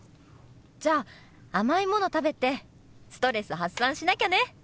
じゃあ甘いもの食べてストレス発散しなきゃね！